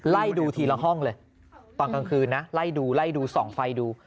ไล่ดูทีละห้องเลยตอนกลางคืนนะไล่ดูไล่ดูส่องไฟดู